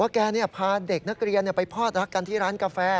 แกพาเด็กนักเรียนไปพอดรักกันที่ร้านกาแฟ